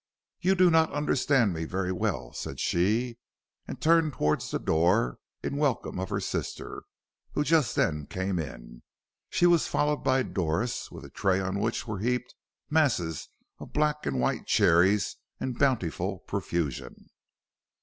"You do not understand me very well," said she, and turned towards the door in welcome of her sister, who just then came in. She was followed by Doris with a tray on which were heaped masses of black and white cherries in bountiful profusion.